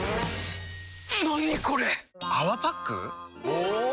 お！